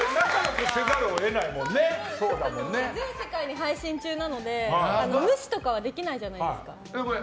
全世界に配信中なので無視とかはできないじゃないですか。